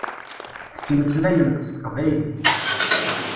Tettmeslayemt s teqbaylit.